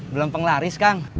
belum penglaris kang